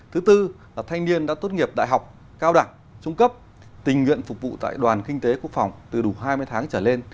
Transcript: thứ tư là thanh niên đã tốt nghiệp đại học cao đẳng trung cấp tình nguyện phục vụ tại đoàn kinh tế quốc phòng từ đủ hai mươi tháng trở lên